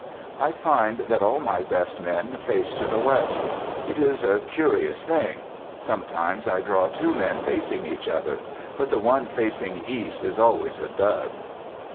I find that all my best men face to the west; it is a curious thing. Sometimes I draw two men facing each other, but the one facing east is always a dud.